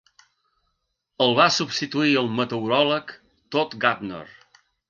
El va substituir el meteoròleg Todd Gutner.